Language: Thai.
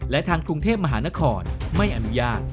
และทางกรุงเทพมหานครไม่อนุญาต